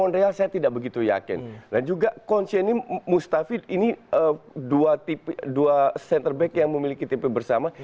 dan juga moustaphi ini dua center back yang memiliki tipe bersama